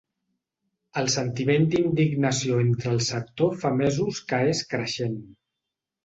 El sentiment d’indignació entre el sector fa mesos que és creixent.